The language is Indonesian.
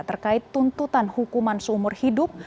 terkait tuntutan hukuman seumur hidup